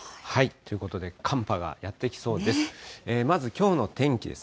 ということで、寒波がやって来そうです。